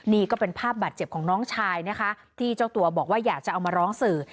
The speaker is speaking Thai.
นี่ก็เป็นภาพบาดเจ็บของน้องชายนะคะที่เจ้าตัวบอกว่าอยากจะเอามาร้องสื่อ